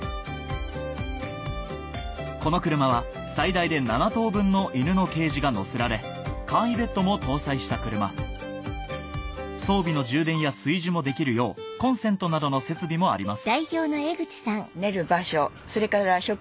この車は最大で７頭分の犬のケージが載せられ簡易ベッドも搭載した車装備の充電や炊事もできるようコンセントなどの設備もあります